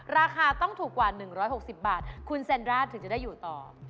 ราคาต้องถูกกว่า๑๖๐บาทคุณเซ็นร่าถึงจะได้อยู่ต่อ